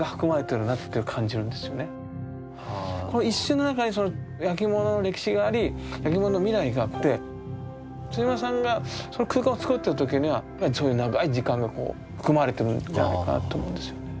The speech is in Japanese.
この一瞬の中にその焼き物の歴史があり焼き物の未来があって村さんがその空間を作ってる時にはそういう長い時間が含まれてるんじゃないかなと思うんですよね。